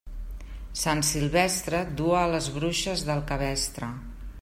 Sant Silvestre du a les bruixes del cabestre.